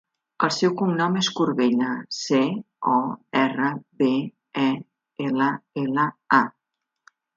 El seu cognom és Corbella: ce, o, erra, be, e, ela, ela, a.